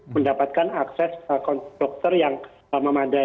mendapatkan akses konstruktur yang memadai